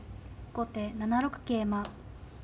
後手７六桂馬。